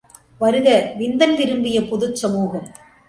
வருக விந்தன் விரும்பிய புதுச்சமூகம்!